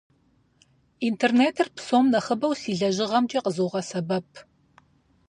Интернетыр псом нэхъыбэу си лэжьыгъэмкӏэ къызогъэсэбэп.